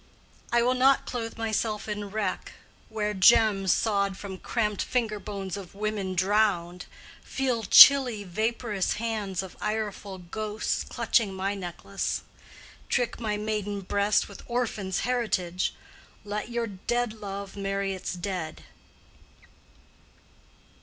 I will not clothe myself in wreck—wear gems Sawed from cramped finger bones of women drowned; Feel chilly vaporous hands of ireful ghosts Clutching my necklace: trick my maiden breast With orphans' heritage. Let your dead love Marry its dead.